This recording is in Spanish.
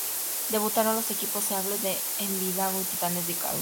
Debutaron los equipos Eagles de Envigado y Titanes de Cali.